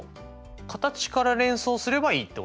形から連想すればいいってことですね。